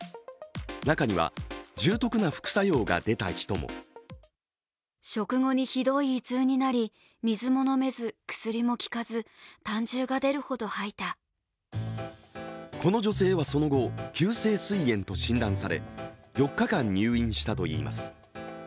中には、重篤な副作用が出た人もこの女性はその後、急性すい炎と診断され、４日間入院したといいます。